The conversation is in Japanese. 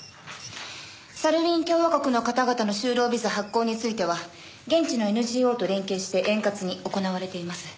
サルウィン共和国の方々の就労ビザ発行については現地のＮＧＯと連携して円滑に行われています。